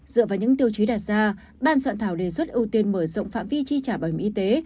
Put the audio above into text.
dựa vào những tiêu trí đạt ra ban soạn thảo đề xuất ưu tiên mở rộng phạm vi tri trả bài mưu y tế